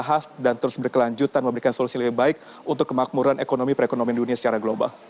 kita bahas dan terus berkelanjutan memberikan solusi lebih baik untuk kemakmuran ekonomi perekonomian dunia secara global